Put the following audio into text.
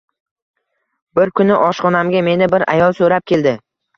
Bir kuni ishxonamga meni bir ayol so`rab keldi